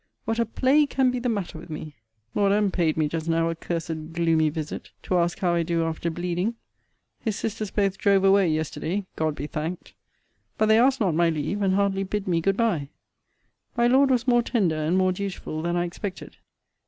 What a plague can be the matter with me! Lord M. paid me just now a cursed gloomy visit, to ask how I do after bleeding. His sisters both drove away yesterday, God be thanked. But they asked not my leave; and hardly bid me good bye. My Lord was more tender, and more dutiful, than I expected.